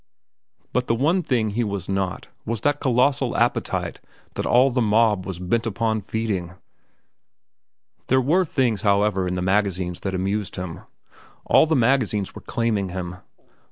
But the one thing he was not was that colossal appetite that all the mob was bent upon feeding. There were things, however, in the magazines that amused him. All the magazines were claiming him.